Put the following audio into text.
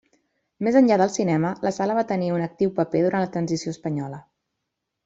Més enllà del cinema, la sala va tenir un actiu paper durant la Transició Espanyola.